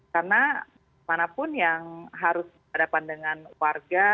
karena manapun yang harus berhadapan dengan warga